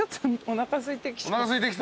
おなかすいてきた？